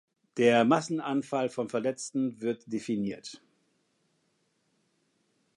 Der Massenanfall von Verletzten wird definiert.